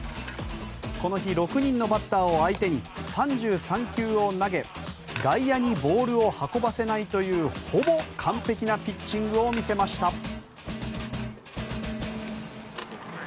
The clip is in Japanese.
この日、６人のバッターを相手に３３球を投げ外野にボールを運ばせないというほぼ完璧なピッチングを見せました。